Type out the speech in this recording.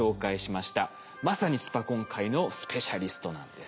まさにスパコン界のスペシャリストなんです。